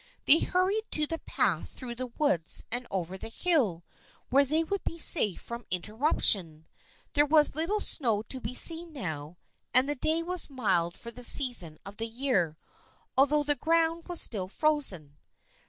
They hurried to the path through the woods and over the hill where they would be safe from interruption. There was little snow to be seen now and the day was mild for the season of the year, although the ground was still frozen.